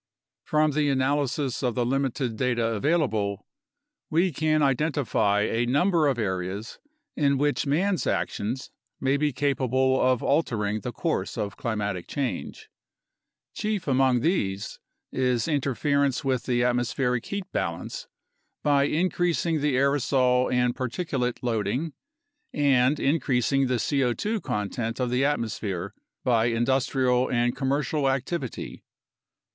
From the analysis of the limited data available, we can identify a number of areas in which man's actions may be capable of altering the course of climatic change. Chief among these is interference with the atmospheric heat balance by increasing the aerosol and particulate loading and increasing the C0 2 content of the atmosphere by industrial and commercial activity.